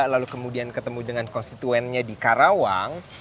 lalu kemudian ketemu dengan konstituennya di karawang